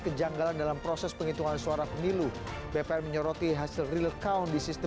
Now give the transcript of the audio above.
kejanggalan dalam proses penghitungan suara penilu bpr menyoroti hasil real account di sistem